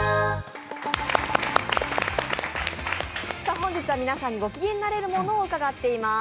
本日は皆さんにごきげんになれるものを伺っています。